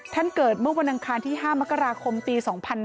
เกิดเมื่อวันอังคารที่๕มกราคมปี๒๕๕๙